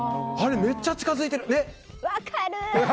あれ、めっちゃ近づいてる！って。